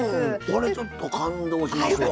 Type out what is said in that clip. これちょっと感動しますわ。